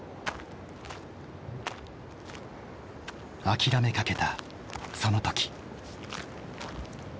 諦めかけたその時。